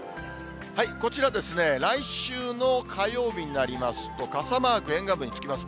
こちら、来週の火曜日になりますと、傘マーク、沿岸部につきます。